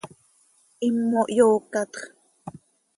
Himo hyoocatx.